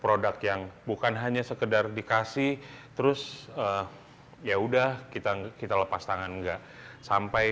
produk yang bukan hanya sekedar dikasih terus ya udah kita enggak kita lepas tangan enggak sampai